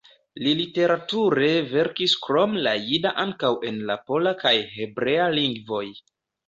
Li literature verkis krom la jida ankaŭ en la pola kaj hebrea lingvoj.